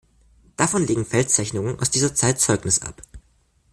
Davon legen Felszeichnungen aus dieser Zeit Zeugnis ab.